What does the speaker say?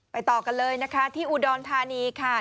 ต่อกันเลยนะคะที่อุดรธานีค่ะ